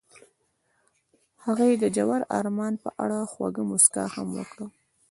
هغې د ژور آرمان په اړه خوږه موسکا هم وکړه.